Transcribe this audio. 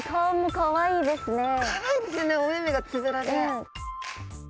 かわいいですよねお目々がつぶらで。